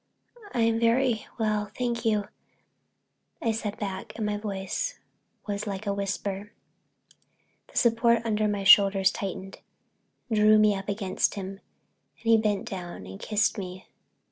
"I'm very well, thank you," I said back, and my voice was like a whisper. The support under my shoulders tightened, drew me up against him, and he bent down and kissed me.